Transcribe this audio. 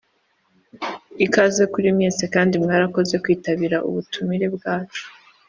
Ikaze kuri mwese kandi mwarakoze kwitabira ubutumire bwacu